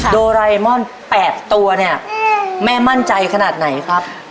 โดไรมอน๘ตัวเนี่ยแม่มั่นใจขนาดไหนครับ